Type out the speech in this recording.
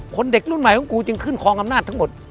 เด็กรุ่นใหม่ของกูจึงขึ้นคลองอำนาจทั้งหมด